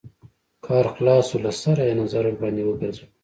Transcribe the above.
کار خلاص شو له سره يې نظر ورباندې وګرځوه.